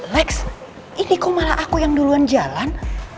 lex ini kok malah aku yang duluan jalan